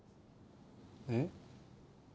えっ？